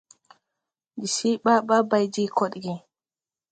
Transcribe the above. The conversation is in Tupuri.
Ndi see ɓaa ɓaa bay je koɗge.